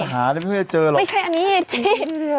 หาแล้วไม่ได้เจอหรอกไม่ใช่อันนี้จริง